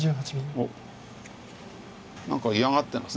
おっ何か嫌がってます